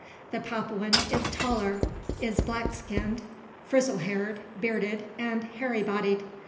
The Papuan is taller, is black skinned, frizzly haired, bearded, and hairy bodied.